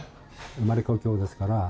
生まれ故郷ですから。